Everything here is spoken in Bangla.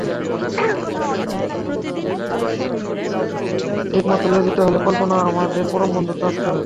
ঠিকভাবে নিয়োজিত হলে কল্পনা আমাদের পরম বন্ধুর কাজ করে।